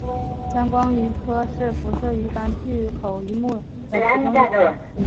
钻光鱼科是辐鳍鱼纲巨口鱼目的其中一科。